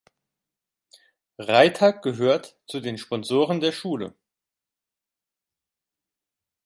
Reiter gehört zu den Sponsoren der Schule.